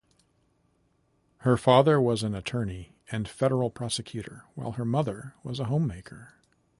Her father was an attorney and federal prosecutor, while her mother was a homemaker.